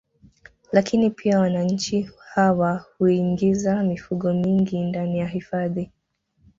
Lakini pia wananchi hawa huingiza mifugo mingi ndani ya hifadhi